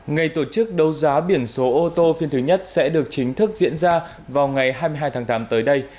ngày tổ chức đấu giá biển số ô tô phiên thứ nhất sẽ được chính thức diễn ra vào ngày hai mươi hai tháng tám tới đây